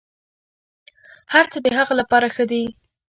هرڅه د هغه لپاره ښه دي.